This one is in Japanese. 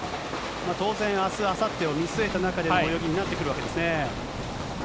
当然、あす、あさってを見据えた中での泳ぎになってくるわけですね。